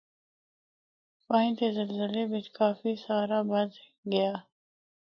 پنج دے زلزلے بچ بھی کافی سارا بہج گیا۔